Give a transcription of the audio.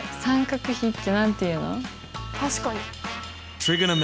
確かに！